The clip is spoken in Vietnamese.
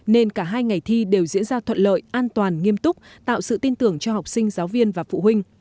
nên cả hai ngày thi đều diễn ra thuận lợi an toàn nghiêm túc tạo sự tin tưởng cho học sinh giáo viên và phụ huynh